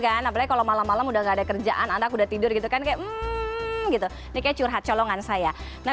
apalagi kalau malam malam sudah tidak ada kerjaan anak sudah tidur ini seperti curhat colongan saya